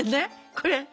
これ。